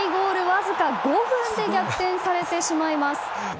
わずか５分で逆転されてしまいます。